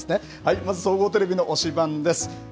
まず総合テレビの推しバン！です。